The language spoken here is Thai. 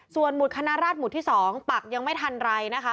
ส่วนหมุดคณะราชหมุดที่๒ปักยังไม่ทันไรนะคะ